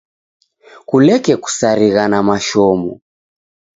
Kuleke kusarigha na mashomo.